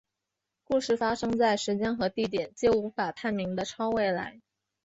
故事发生在时间和地点皆无法判明的超未来。